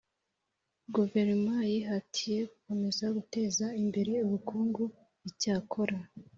Guverinoma yihatiye gukomeza guteza imbere ubukungu Icyakora